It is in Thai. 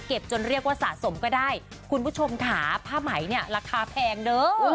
เก็บจนเรียกว่าสะสมก็ได้คุณผู้ชมขาผ้าไหมราคาแพงเด้อ